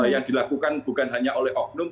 yang dilakukan bukan hanya oleh oknum